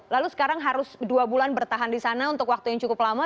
lalu sekarang harus dua bulan bertahan di sana untuk waktu yang cukup lama